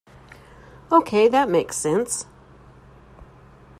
Ok, that makes sense.